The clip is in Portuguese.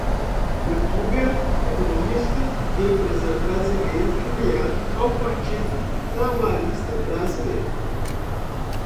youtuber, economista E empresário brasileiro filiado ao Partido Trabalhista Brasileiro.